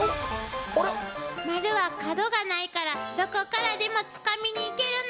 丸は角がないからどこからでもつかみにいけるの！